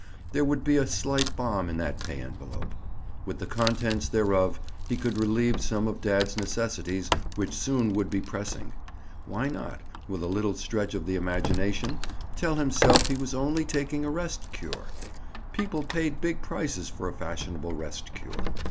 There would be a slight balm in that pay envelope. With the contents thereof, he could relieve some of dad's necessities which soon would be pressing. Why not, with a little stretch of the imagination, tell himself he (Bob) was only taking a rest cure? People paid big prices for a fashionable rest cure.